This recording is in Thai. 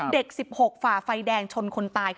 ๑๖ฝ่าไฟแดงชนคนตาย